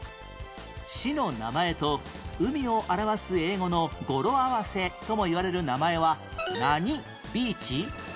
市の名前と海を表す英語の語呂合わせともいわれる名前は何ビーチ？